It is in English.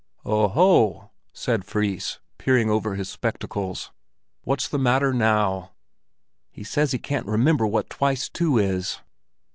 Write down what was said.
"Oh o!" said Fris, peering over his spectacles. "What's the matter now?" "He says he can't remember what twice two is."